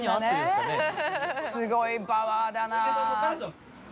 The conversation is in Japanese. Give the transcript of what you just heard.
すごいパワーだな。